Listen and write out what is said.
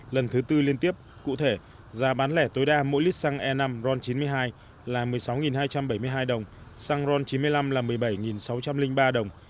lần thứ tư liên tiếp cụ thể giá bán lẻ tối đa mỗi lít xăng e năm ron chín mươi hai là một mươi sáu hai trăm bảy mươi hai đồng xăng ron chín mươi năm là một mươi bảy sáu trăm linh ba đồng